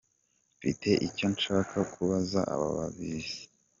Mfite icyo nshaka kubaza ababa babizi.